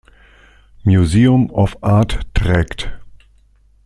Museum of Art trägt.